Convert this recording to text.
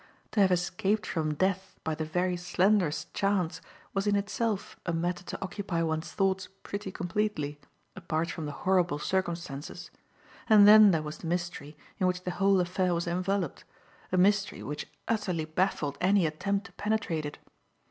To have escaped from death by the very slenderest chance was in itself a matter to occupy one's thoughts pretty completely, apart from the horrible circumstances, and then there was the mystery in which the whole affair was enveloped, a mystery which utterly baffled any attempt to penetrate it.